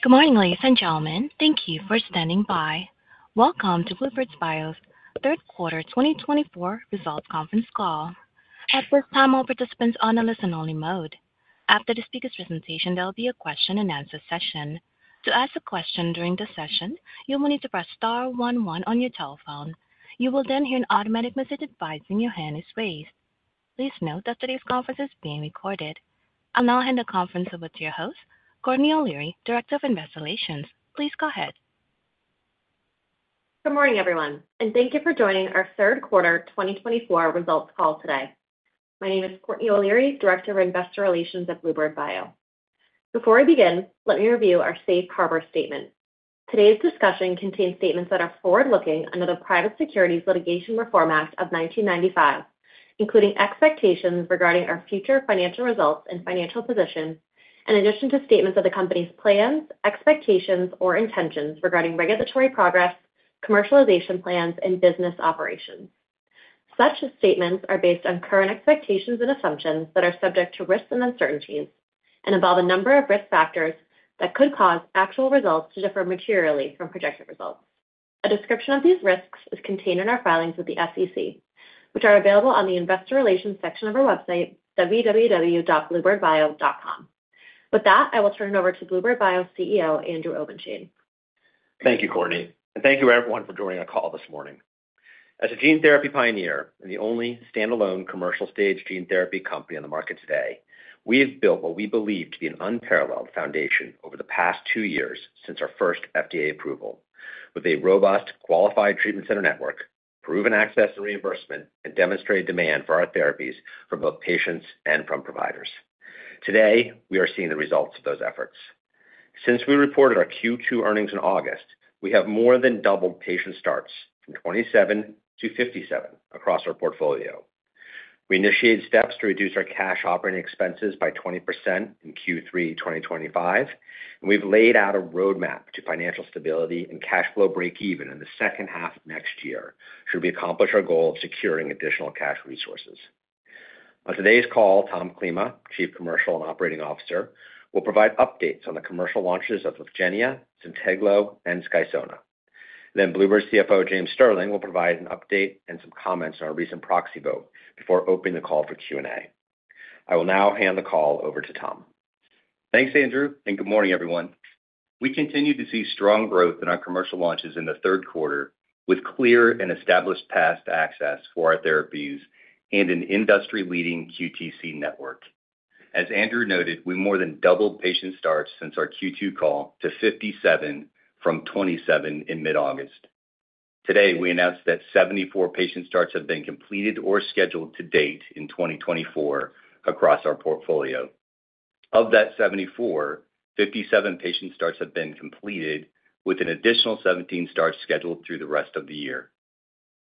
Good morning, ladies and gentlemen. Thank you for standing by. Welcome to Bluebird Bio's Q3 2024 results conference call. At this time, all participants are on a listen-only mode. After the speaker's presentation, there will be a question-and-answer session. To ask a question during the session, you will need to press star 11 on your telephone. You will then hear an automatic message advising your hand is raised. Please note that today's conference is being recorded. I'll now hand the conference over to your host, Courtney O'Leary, Director of Investor Relations. Please go ahead. Good morning, everyone, and thank you for joining our Q3 2024 results call today. My name is Courtney O'Leary, Director of Investor Relations at Bluebird Bio. Before we begin, let me review our safe harbor statement. Today's discussion contains statements that are forward-looking under the Private Securities Litigation Reform Act of 1995, including expectations regarding our future financial results and financial position, in addition to statements of the company's plans, expectations, or intentions regarding regulatory progress, commercialization plans, and business operations. Such statements are based on current expectations and assumptions that are subject to risks and uncertainties and involve a number of risk factors that could cause actual results to differ materially from projected results. A description of these risks is contained in our filings with the SEC, which are available on the Investor Relations section of our website, www.bluebirdbio.com. With that, I will turn it over to Bluebird Bio CEO Andrew Obenshain. Thank you, Courtney, and thank you, everyone, for joining our call this morning. As a gene therapy pioneer and the only standalone commercial-stage gene therapy company on the market today, we have built what we believe to be an unparalleled foundation over the past two years since our first FDA approval, with a robust qualified treatment center network, proven access and reimbursement, and demonstrated demand for our therapies from both patients and from providers. Today, we are seeing the results of those efforts. Since we reported our Q2 earnings in August, we have more than doubled patient starts from 27 to 57 across our portfolio. We initiated steps to reduce our cash operating expenses by 20% in Q3 2025, and we've laid out a roadmap to financial stability and cash flow break-even in the H2 of next year should we accomplish our goal of securing additional cash resources. On today's call, Tom Klima, Chief Commercial and Operating Officer, will provide updates on the commercial launches of Lyfgenia, Zynteglo, and Skysona. Then Bluebird CFO James Stirling will provide an update and some comments on our recent proxy vote before opening the call for Q&A. I will now hand the call over to Tom. Thanks, Andrew, and good morning, everyone. We continue to see strong growth in our commercial launches in the Q3, with clear and established paths to access for our therapies and an industry-leading QTC network. As Andrew noted, we more than doubled patient starts since our Q2 call to 57 from 27 in mid-August. Today, we announced that 74 patient starts have been completed or scheduled to date in 2024 across our portfolio. Of that 74, 57 patient starts have been completed, with an additional 17 starts scheduled through the rest of the year.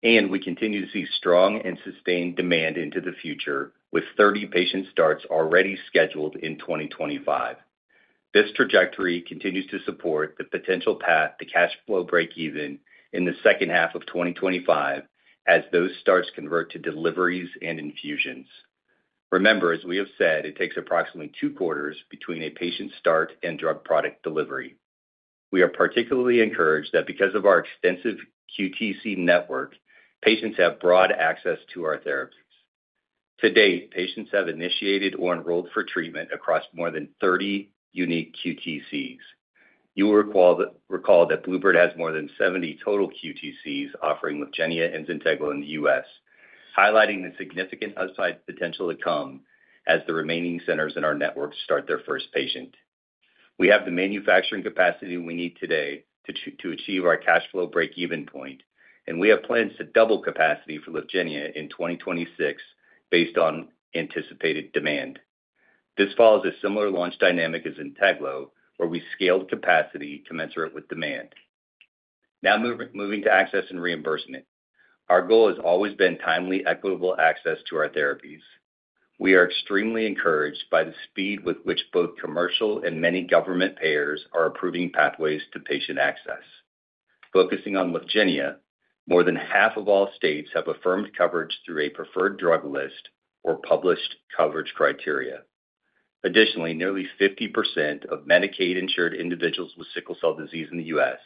And we continue to see strong and sustained demand into the future, with 30 patient starts already scheduled in 2025. This trajectory continues to support the potential path to cash flow break-even in the H2 of 2025 as those starts convert to deliveries and infusions. Remember, as we have said, it takes approximately two quarters between a patient start and drug product delivery. We are particularly encouraged that because of our extensive QTC network, patients have broad access to our therapies. To date, patients have initiated or enrolled for treatment across more than 30 unique QTCs. You will recall that Bluebird has more than 70 total QTCs offering Lyfgenia and Zynteglo in the U.S., highlighting the significant upside potential to come as the remaining centers in our network start their first patient. We have the manufacturing capacity we need today to achieve our cash flow break-even point, and we have plans to double capacity for Lyfgenia in 2026 based on anticipated demand. This follows a similar launch dynamic as Zynteglo, where we scaled capacity commensurate with demand. Now moving to access and reimbursement. Our goal has always been timely, equitable access to our therapies. We are extremely encouraged by the speed with which both commercial and many government payers are approving pathways to patient access. Focusing on Lyfgenia, more than half of all states have affirmed coverage through a preferred drug list or published coverage criteria. Additionally, nearly 50% of Medicaid-insured individuals with sickle cell disease in the U.S.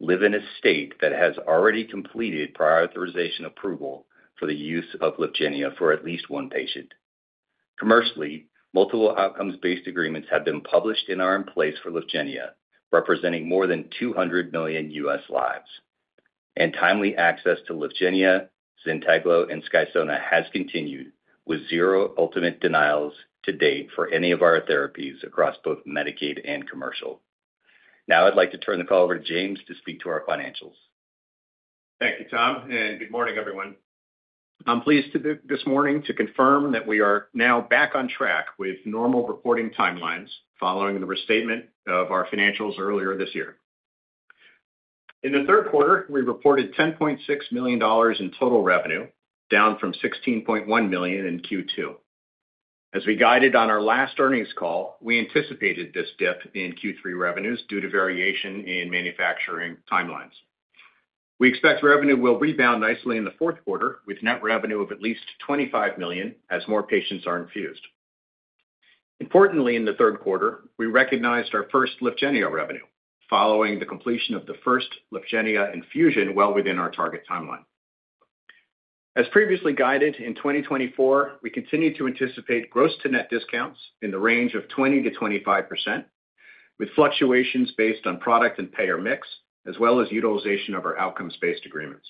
live in a state that has already completed prior authorization approval for the use of Lyfgenia for at least one patient. Commercially, multiple outcomes-based agreements have been published and are in place for Lyfgenia, representing more than 200 million U.S. lives, and timely access to Lyfgenia, Zynteglo, and Skysona has continued, with zero ultimate denials to date for any of our therapies across both Medicaid and commercial. Now I'd like to turn the call over to James to speak to our financials. Thank you, Tom, and good morning, everyone. I'm pleased this morning to confirm that we are now back on track with normal reporting timelines following the restatement of our financials earlier this year. In the Q3, we reported $10.6 million in total revenue, down from $16.1 million in Q2. As we guided on our last earnings call, we anticipated this dip in Q3 revenues due to variation in manufacturing timelines. We expect revenue will rebound nicely in the Q4, with net revenue of at least $25 million as more patients are infused. Importantly, in the Q3, we recognized our first Lyfgenia revenue following the completion of the first Lyfgenia infusion well within our target timeline. As previously guided, in 2024, we continue to anticipate gross-to-net discounts in the range of 20%-25%, with fluctuations based on product and payer mix, as well as utilization of our outcomes-based agreements.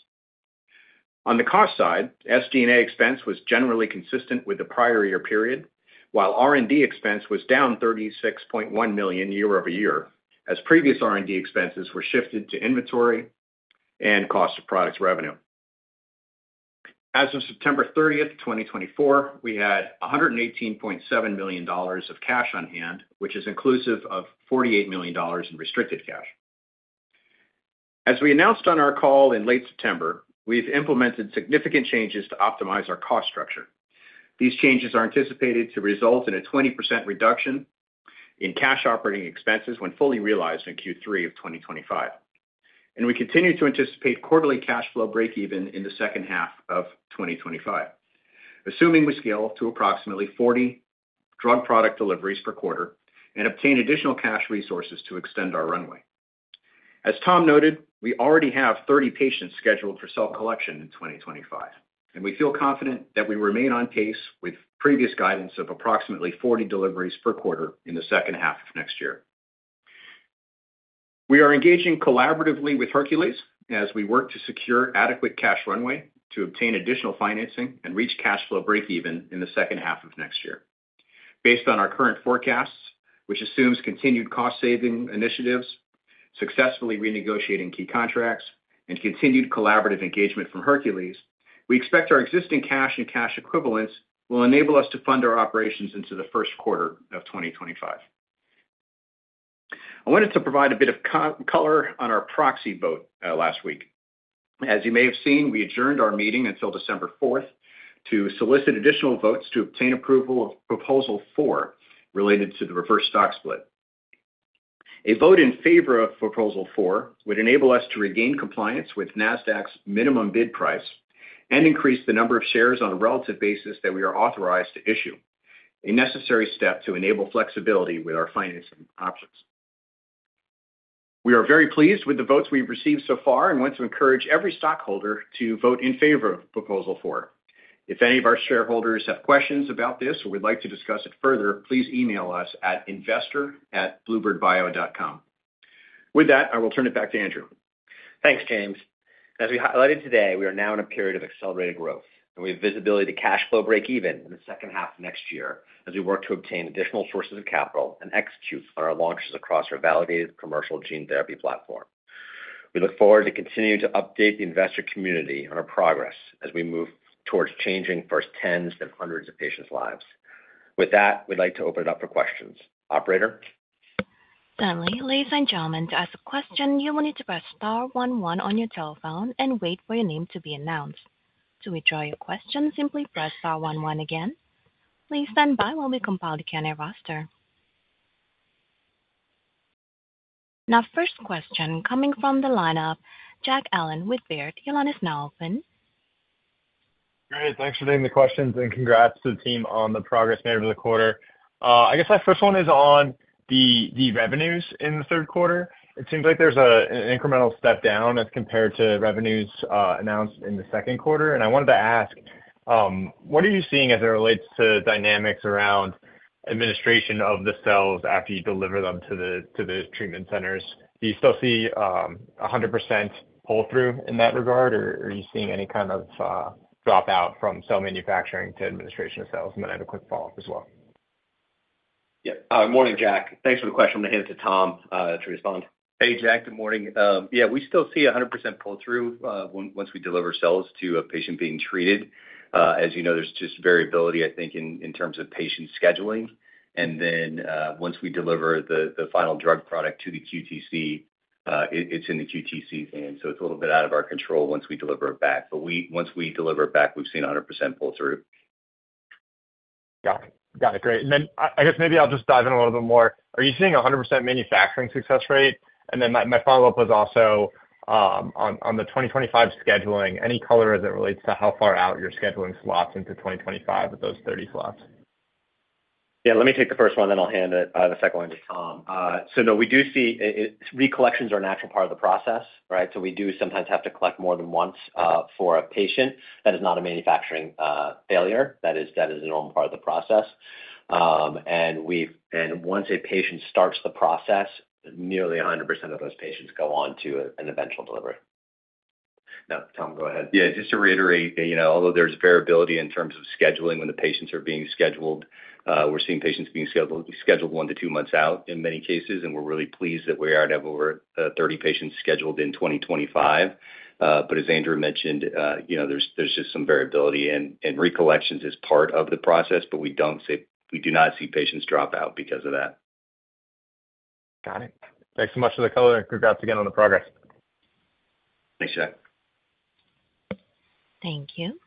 On the cost side, SG&A expense was generally consistent with the prior year period, while R&D expense was down $36.1 million year over year, as previous R&D expenses were shifted to inventory and cost of products revenue. As of September 30, 2024, we had $118.7 million of cash on hand, which is inclusive of $48 million in restricted cash. As we announced on our call in late September, we've implemented significant changes to optimize our cost structure. These changes are anticipated to result in a 20% reduction in cash operating expenses when fully realized in Q3 of 2025, and we continue to anticipate quarterly cash flow break-even in the H2 of 2025, assuming we scale to approximately 40 drug product deliveries per quarter and obtain additional cash resources to extend our runway. As Tom noted, we already have 30 patients scheduled for self-collection in 2025, and we feel confident that we remain on pace with previous guidance of approximately 40 deliveries per quarter in the H2 of next year. We are engaging collaboratively with Hercules as we work to secure adequate cash runway to obtain additional financing and reach cash flow break-even in the H2 of next year. Based on our current forecasts, which assumes continued cost-saving initiatives, successfully renegotiating key contracts, and continued collaborative engagement from Hercules, we expect our existing cash and cash equivalents will enable us to fund our operations into the Q1 of 2025. I wanted to provide a bit of color on our proxy vote last week. As you may have seen, we adjourned our meeting until December 4 to solicit additional votes to obtain approval of Proposal 4 related to the reverse stock split. A vote in favor of Proposal 4 would enable us to regain compliance with Nasdaq's minimum bid price and increase the number of shares on a relative basis that we are authorized to issue, a necessary step to enable flexibility with our financing options. We are very pleased with the votes we've received so far and want to encourage every stockholder to vote in favor of Proposal 4. If any of our shareholders have questions about this or would like to discuss it further, please email us at investor@bluebirdbio.com. With that, I will turn it back to Andrew. Thanks, James. As we highlighted today, we are now in a period of accelerated growth, and we have visibility to cash flow break-even in the H2 of next year as we work to obtain additional sources of capital and execute on our launches across our validated commercial gene therapy platform. We look forward to continuing to update the investor community on our progress as we move towards changing first tens and hundreds of patients' lives. With that, we'd like to open it up for questions. Operator. Finally, ladies and gentlemen, to ask a question, you will need to press star 11 on your telephone and wait for your name to be announced. To withdraw your question, simply press star 11 again. Please stand by while we compile the candidate roster. Now, first question coming from the lineup, Jack Allen with Baird. Your line is now open. Great. Thanks for taking the questions and congrats to the team on the progress made over the quarter. I guess my first one is on the revenues in the Q3. It seems like there's an incremental step down as compared to revenues announced in the Q2. And I wanted to ask, what are you seeing as it relates to dynamics around administration of the cells after you deliver them to the treatment centers? Do you still see a 100% pull-through in that regard, or are you seeing any kind of dropout from cell manufacturing to administration of cells? And then I have a quick follow-up as well. Yeah. Good morning, Jack. Thanks for the question. I'm going to hand it to Tom to respond. Hey, Jack. Good morning. Yeah, we still see a 100% pull-through once we deliver cells to a patient being treated. As you know, there's just variability, I think, in terms of patient scheduling. And then once we deliver the final drug product to the QTC, it's in the QTC's hands. So it's a little bit out of our control once we deliver it back. But once we deliver it back, we've seen a 100% pull-through. Got it. Got it. Great. And then I guess maybe I'll just dive in a little bit more. Are you seeing a 100% manufacturing success rate? And then my follow-up was also on the 2025 scheduling. Any color as it relates to how far out you're scheduling slots into 2025 with those 30 slots? Yeah. Let me take the first one, then I'll hand the second one to Tom. So no, we do see re-collections are a natural part of the process, right? So we do sometimes have to collect more than once for a patient. That is not a manufacturing failure. That is a normal part of the process. And once a patient starts the process, nearly 100% of those patients go on to an eventual delivery. No, Tom, go ahead. Yeah, just to reiterate, although there's variability in terms of scheduling when the patients are being scheduled, we're seeing patients being scheduled one to two months out in many cases. And we're really pleased that we already have over 30 patients scheduled in 2025. But as Andrew mentioned, there's just some variability, and re-collections is part of the process, but we do not see patients drop out because of that. Got it. Thanks so much for the color. Congrats again on the progress. Thanks, Jack. Thank you.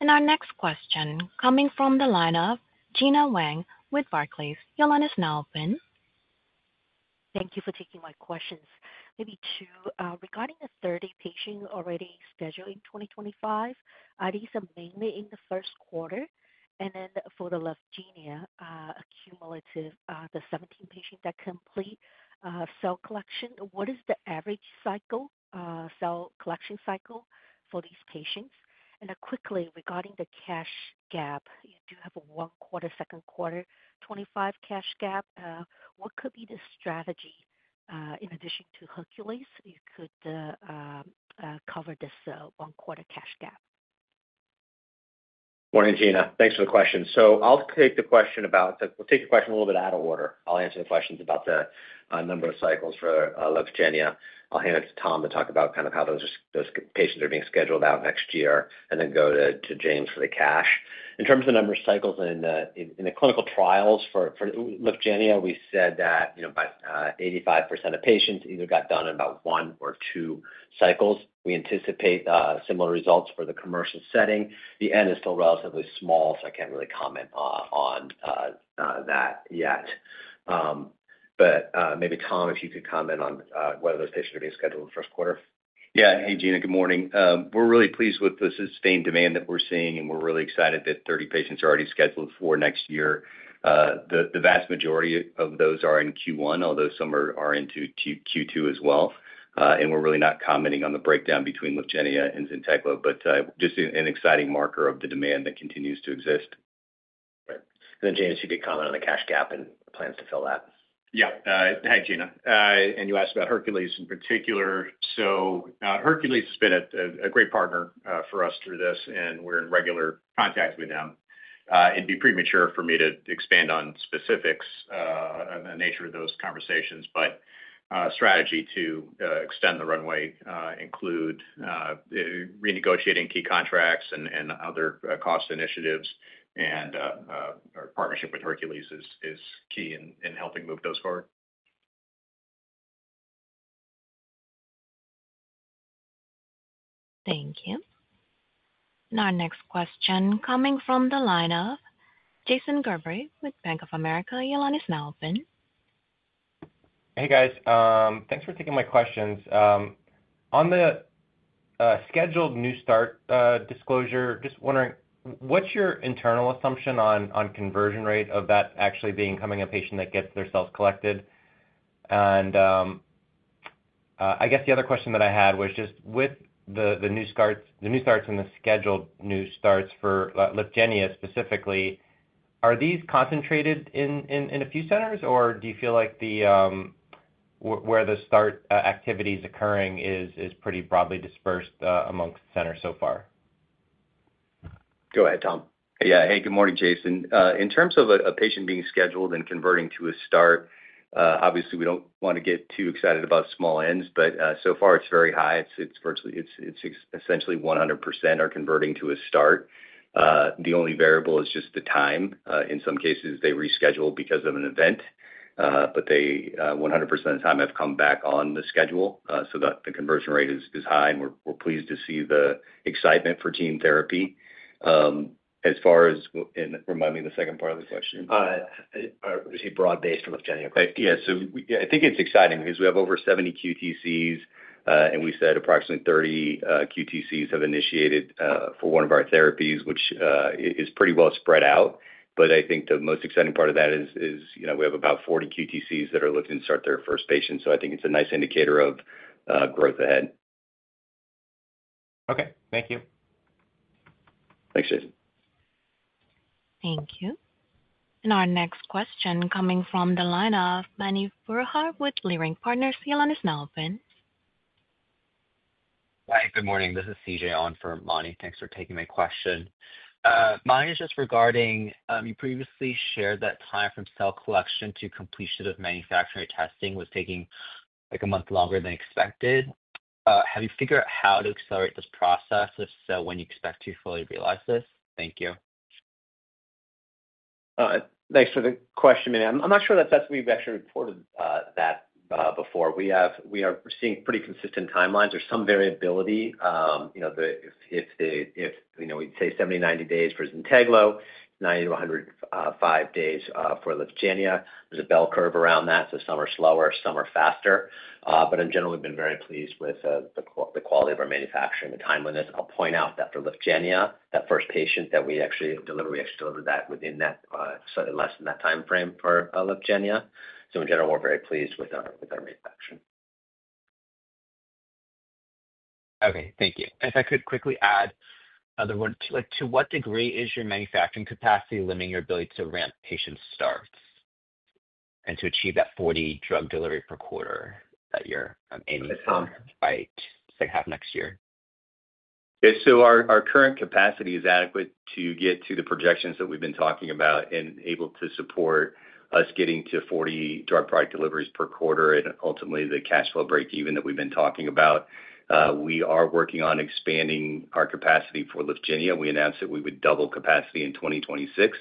And our next question coming from the lineup, Gena Wang with Barclays. Your line is now open. Thank you for taking my questions. Maybe two. Regarding the 30 patients already scheduled in 2025, these are mainly in the Q1. And then for the Lyfgenia cumulative, the 17 patients that complete cell collection, what is the average cell collection cycle for these patients? And quickly, regarding the cash gap, you do have a one-quarter, Q2, 25 cash gap. What could be the strategy in addition to Hercules that you could cover this one-quarter cash gap? Morning, Gena. Thanks for the question. So I'll take the question a little bit out of order. I'll answer the questions about the number of cycles for Lyfgenia. I'll hand it to Tom to talk about kind of how those patients are being scheduled out next year, and then go to James for the cash. In terms of the number of cycles in the clinical trials for Lyfgenia, we said that 85% of patients either got done in about one or two cycles. We anticipate similar results for the commercial setting. The n is still relatively small, so I can't really comment on that yet. But maybe Tom, if you could comment on whether those patients are being scheduled in the Q1. Yeah. Hey, Gena. Good morning. We're really pleased with the sustained demand that we're seeing, and we're really excited that 30 patients are already scheduled for next year. The vast majority of those are in Q1, although some are into Q2 as well. And we're really not commenting on the breakdown between Lyfgenia and Zynteglo, but just an exciting marker of the demand that continues to exist. Great. And then James, if you could comment on the cash gap and plans to fill that. Yeah. Hi, Gena. And you asked about Hercules in particular. So Hercules has been a great partner for us through this, and we're in regular contact with them. It'd be premature for me to expand on specifics and the nature of those conversations, but strategy to extend the runway includes renegotiating key contracts and other cost initiatives. And our partnership with Hercules is key in helping move those forward. Thank you. And our next question coming from the lineup, Jason Gerberry with Bank of America. Your line is now open. Hey, guys. Thanks for taking my questions. On the scheduled new start disclosure, just wondering, what's your internal assumption on conversion rate of that actually becoming a patient that gets their cells collected? And I guess the other question that I had was just with the new starts and the scheduled new starts for Lyfgenia specifically, are these concentrated in a few centers, or do you feel like where the start activity is occurring is pretty broadly dispersed amongst centers so far? Go ahead, Tom. Yeah. Hey, good morning, Jason. In terms of a patient being scheduled and converting to a start, obviously, we don't want to get too excited about small n's, but so far, it's very high. It's essentially 100% are converting to a start. The only variable is just the time. In some cases, they reschedule because of an event, but 100% of the time have come back on the schedule. So the conversion rate is high, and we're pleased to see the excitement for gene therapy. As far as, and remind me the second part of the question. Are you saying broad-based for Lyfgenia? Yeah. So I think it's exciting because we have over 70 QTCs, and we said approximately 30 QTCs have initiated for one of our therapies, which is pretty well spread out. But I think the most exciting part of that is we have about 40 QTCs that are looking to start their first patient. So I think it's a nice indicator of growth ahead. Okay. Thank you. Thanks, Jason. Thank you. And our next question coming from the lineup, Mani Foroohar with Leerink Partners. Your line is now open. Hi. Good morning. This is Mani from Leerink Partners. Thanks for taking my question. Just regarding your previously shared that time from cell collection to completion of manufacturing testing was taking a month longer than expected. Have you figured out how to accelerate this process? If so, when do you expect to fully realize this? Thank you. Thanks for the question, Mani. I'm not sure that that's what we've actually reported that before. We are seeing pretty consistent timelines. There's some variability. If we'd say 70-90 days for Zynteglo, 90-105 days for Lyfgenia. There's a bell curve around that. So some are slower, some are faster. But in general, we've been very pleased with the quality of our manufacturing and the timeliness. I'll point out that for Lyfgenia, that first patient that we actually delivered, we actually delivered that within slightly less than that timeframe for Lyfgenia. So in general, we're very pleased with our manufacturing. Okay. Thank you. If I could quickly add another one to what degree is your manufacturing capacity limiting your ability to ramp patient starts and to achieve that 40 drug delivery per quarter that you're aiming to hit by next year? Yeah, so our current capacity is adequate to get to the projections that we've been talking about and able to support us getting to 40 drug product deliveries per quarter and ultimately the cash flow break-even that we've been talking about. We are working on expanding our capacity for Lyfgenia. We announced that we would double capacity in 2026,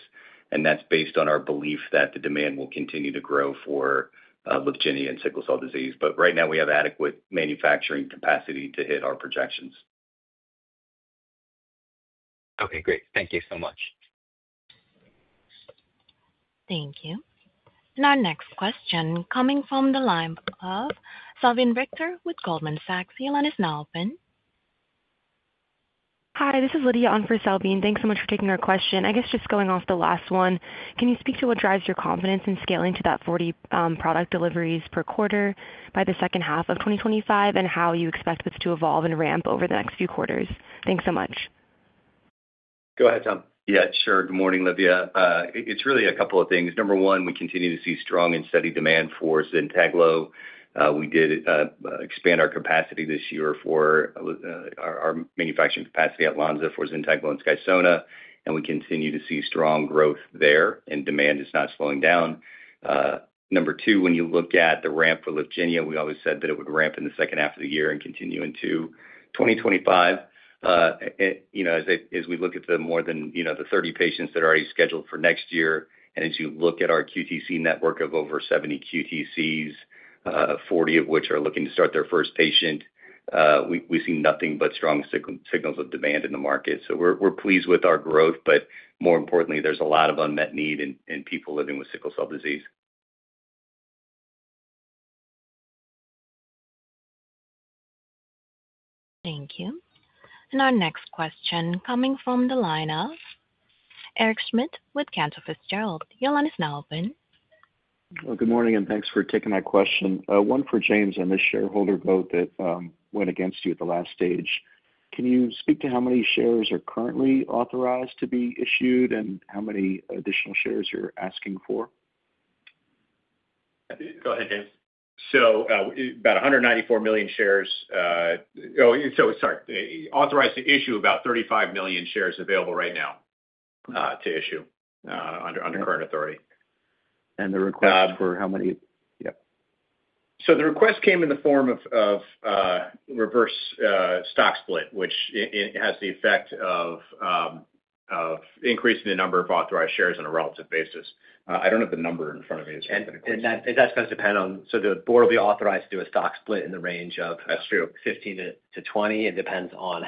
and that's based on our belief that the demand will continue to grow for Lyfgenia and sickle cell disease. But right now, we have adequate manufacturing capacity to hit our projections. Okay. Great. Thank you so much. Thank you. And our next question coming from the lineup of Salveen Richter with Goldman Sachs. Your line is now open. Hi. This is Lydia on for Salveen. Thanks so much for taking our question. I guess just going off the last one, can you speak to what drives your confidence in scaling to that 40 product deliveries per quarter by the H2 of 2025 and how you expect this to evolve and ramp over the next few quarters? Thanks so much. Go ahead, Tom. Yeah. Sure. Good morning, Lydia. It's really a couple of things. Number one, we continue to see strong and steady demand for Zynteglo. We did expand our capacity this year for our manufacturing capacity at Lonza for Zynteglo and Skysona, and we continue to see strong growth there, and demand is not slowing down. Number two, when you look at the ramp for Lyfgenia, we always said that it would ramp in the H2 of the year and continue into 2025. As we look at the more than 30 patients that are already scheduled for next year, and as you look at our QTC network of over 70 QTCs, 40 of which are looking to start their first patient, we see nothing but strong signals of demand in the market. So we're pleased with our growth, but more importantly, there's a lot of unmet need in people living with sickle cell disease. Thank you. And our next question coming from the lineup, Eric Schmidt with Cantor Fitzgerald. Your line is now open. Good morning, and thanks for taking my question. One for James on the shareholder vote that went against you at the last stage. Can you speak to how many shares are currently authorized to be issued and how many additional shares you're asking for? Go ahead, James. So about 194 million shares. Oh, sorry. Authorized to issue about 35 million shares available right now to issue under current authority. And the request for how many? Yeah. So the request came in the form of reverse stock split, which has the effect of increasing the number of authorized shares on a relative basis. I don't have the number in front of me. And that's going to depend on so the board will be authorized to do a stock split in the range of 15-20. It depends on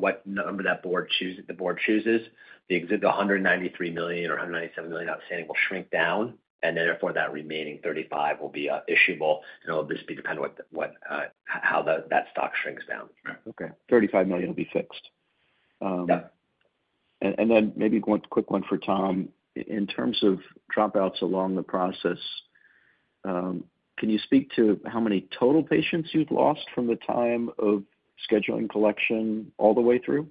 what number the board chooses. The 193 million or 197 million outstanding will shrink down, and therefore, that remaining 35 will be issuable. And it'll just be dependent on how that stock shrinks down. Okay. $35 million will be fixed. Yeah. And then maybe one quick one for Tom. In terms of dropouts along the process, can you speak to how many total patients you've lost from the time of scheduling collection all the way through?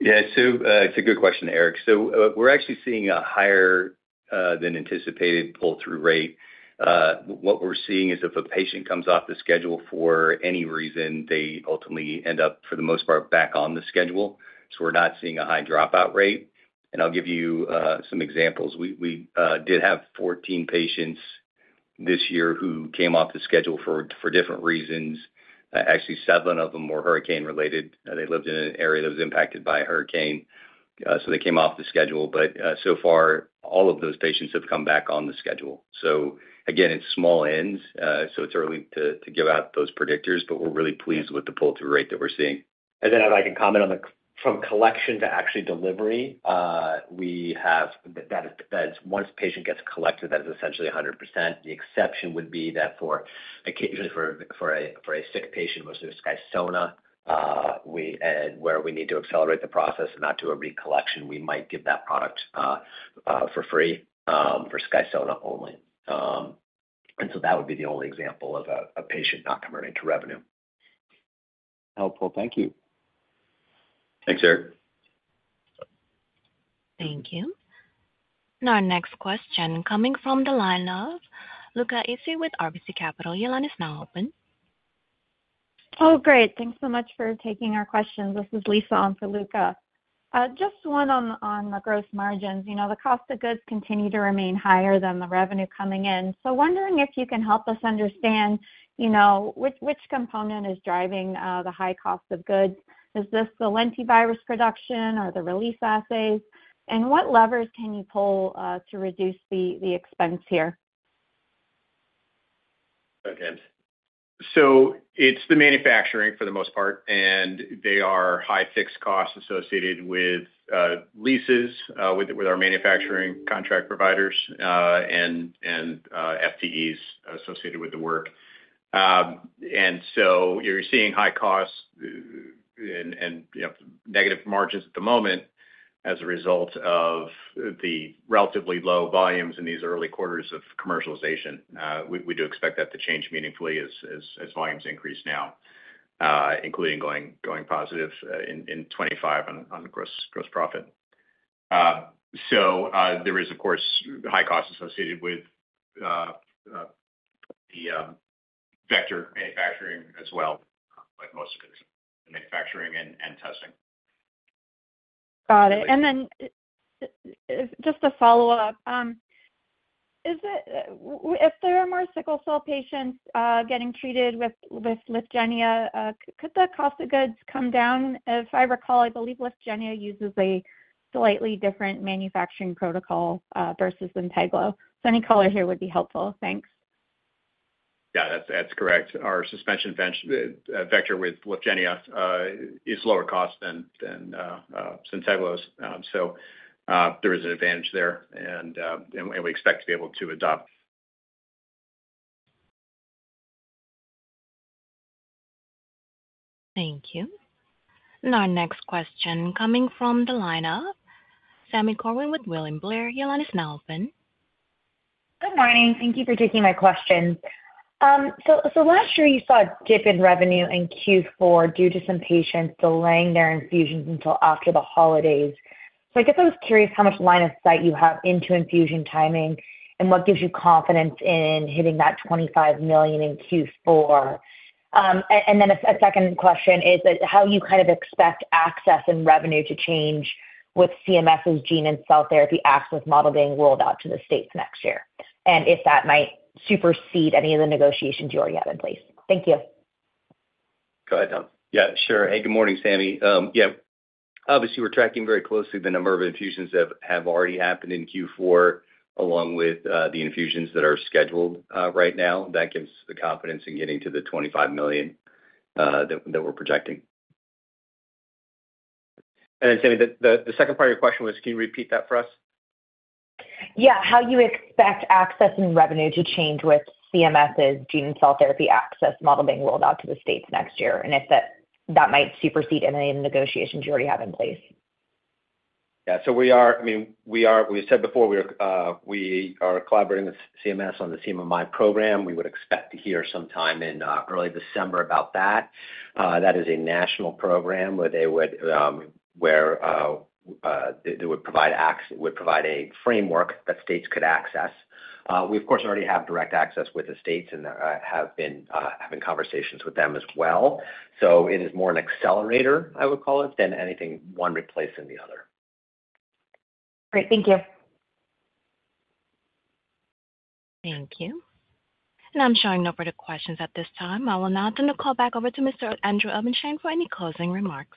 Yeah. So it's a good question, Eric. So we're actually seeing a higher-than-anticipated pull-through rate. What we're seeing is if a patient comes off the schedule for any reason, they ultimately end up, for the most part, back on the schedule. So we're not seeing a high dropout rate. And I'll give you some examples. We did have 14 patients this year who came off the schedule for different reasons. Actually, seven of them were hurricane-related. They lived in an area that was impacted by a hurricane. So they came off the schedule. But so far, all of those patients have come back on the schedule. So again, it's small n's. So it's early to give out those predictors, but we're really pleased with the pull-through rate that we're seeing. And then, if I can comment on the from collection to actually delivery, that's once a patient gets collected, that is essentially 100%. The exception would be that occasionally for a sick patient, mostly with Skysona, where we need to accelerate the process and not do a recollection, we might give that product for free for Skysona only. And so that would be the only example of a patient not converting to revenue. Helpful. Thank you. Thanks, Eric. Thank you. And our next question coming from the lineup, Luca Issi with RBC Capital. Your line is now open. Oh, great. Thanks so much for taking our questions. This is Lisa on for Luca. Just one on the gross margins. The cost of goods continue to remain higher than the revenue coming in. So wondering if you can help us understand which component is driving the high cost of goods. Is this the lentivirus production or the release assays? And what levers can you pull to reduce the expense here? Okay. So it's the manufacturing for the most part, and there are high fixed costs associated with leases with our manufacturing contract providers and FTEs associated with the work. And so you're seeing high costs and negative margins at the moment as a result of the relatively low volumes in these early quarters of commercialization. We do expect that to change meaningfully as volumes increase now, including going positive in 2025 on gross profit. So there is, of course, high costs associated with the vector manufacturing as well, but most of it is manufacturing and testing. Got it. And then just to follow up, if there are more sickle cell patients getting treated with Lyfgenia, could the cost of goods come down? If I recall, I believe Lyfgenia uses a slightly different manufacturing protocol versus Zynteglo. So any color here would be helpful. Thanks. Yeah. That's correct. Our suspension vector with Lyfgenia is lower cost than Zynteglo's. So there is an advantage there, and we expect to be able to adopt. Thank you. And our next question coming from the lineup, Sami Corwin with William Blair. Your line is now open. Good morning. Thank you for taking my question. So last year, you saw a dip in revenue in Q4 due to some patients delaying their infusions until after the holidays. So I guess I was curious how much line of sight you have into infusion timing and what gives you confidence in hitting that $25 million in Q4. And then a second question is how you kind of expect access and revenue to change with CMS's Cell and Gene Therapy Access Model being rolled out to the states next year and if that might supersede any of the negotiations you already have in place. Thank you. Go ahead, Tom. Yeah. Sure. Hey, good morning, Sami. Yeah. Obviously, we're tracking very closely the number of infusions that have already happened in Q4 along with the infusions that are scheduled right now. That gives the confidence in getting to the $25 million that we're projecting. And then, Sami, the second part of your question was, can you repeat that for us? Yeah. How you expect access and revenue to change with CMS's Gene and Cell Therapy Access model being rolled out to the states next year and if that might supersede any of the negotiations you already have in place? Yeah. So we are, I mean, we said before, we are collaborating with CMS on the CMMI program. We would expect to hear sometime in early December about that. That is a national program where they would provide a framework that states could access. We, of course, already have direct access with the states and have been having conversations with them as well. So it is more an accelerator, I would call it, than anything one replacing the other. Great. Thank you. Thank you. And I'm showing no further questions at this time. I'll now turn the call back over to Mr. Andrew Obenshain for any closing remarks.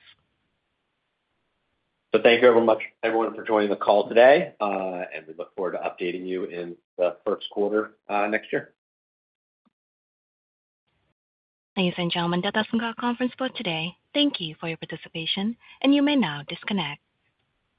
Thank you very much, everyone, for joining the call today. We look forward to updating you in the Q1 next year. Ladies and gentlemen, that does conclude our conference for today. Thank you for your participation, and you may now disconnect.